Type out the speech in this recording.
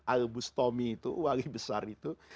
al bustomi itu wali besar itu